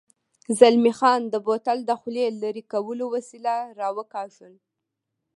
زلمی خان د بوتل د خولې لرې کولو وسیله را وکاږل.